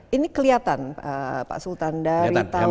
ini kelihatan pak sultan dari tahun ke tahun sudah